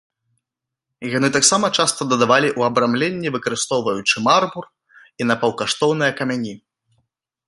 Яны таксама часта дадавалі ў абрамленні, выкарыстоўваючы мармур і напаўкаштоўныя камяні.